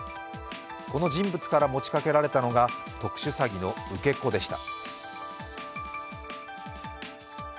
この人物から持ちかけられたのが特殊詐欺の受け子でした。